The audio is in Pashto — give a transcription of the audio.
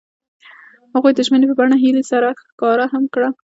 هغوی د ژمنې په بڼه هیلې سره ښکاره هم کړه.